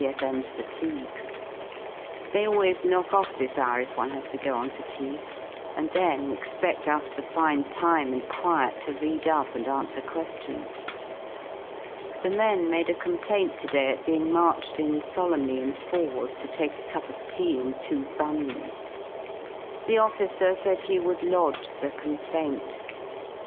S.M.'s fatigues. They always knock off this hour if one has to go on fatigues, and then expedl us to find time and quiet to read up and answer que^ions. The men made a complaint to day at being marched in solemnly in fours to take a cup of tea and two buns. The officer said he would lodge the complaint.